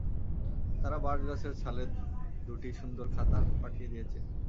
তাঁরা বার্চগাছের ছালের দুটি সুন্দর খাতা পাঠিয়ে দিয়েছেন।